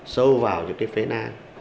sâu vào những cái phế nan